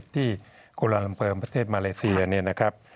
ที่กุลาลัมเปิมประเทศมาเลเซียเนี่ยนะครับ